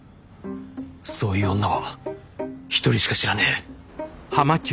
そういう女は一人しか知らねえ。